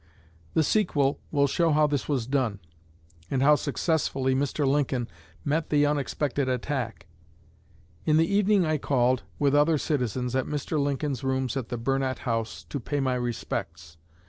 The sequel will show how this was done, and how successfully Mr. Lincoln met the unexpected attack. In the evening I called, with other citizens, at Mr. Lincoln's rooms at the Burnet House to pay my respects.